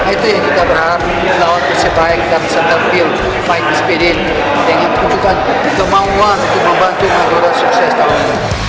itu yang kita berharap melawan persebaya dan setel pil baik baik dengan kemahuan untuk membantu madura sukses tahun ini